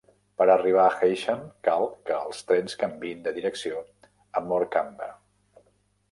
Per arribar a Heysham, cal que els trens canviïn de direcció a Morecambe.